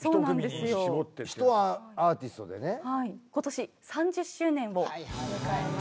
今年３０周年を迎えました。